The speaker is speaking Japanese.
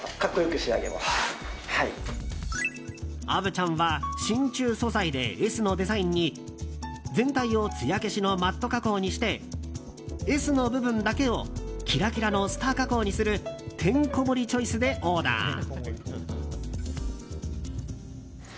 虻ちゃんは真鍮素材で、Ｓのデザインに全体をつや消しのマット加工にしてＳの部分だけをキラキラのスター加工にするてんこ盛りチョイスでオーダー。